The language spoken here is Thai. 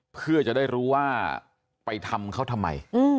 เพื่อจะได้รู้ว่าไปทำเขาทำไม